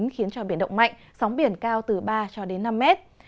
khiến cho biển động mạnh sóng biển cao từ ba cho đến năm mét